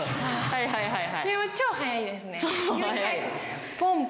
はいはいはい。